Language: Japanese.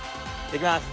頂きます。